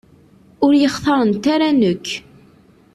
Ur yi-xtarent ara nekk.